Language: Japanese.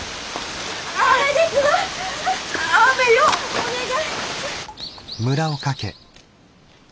お願い。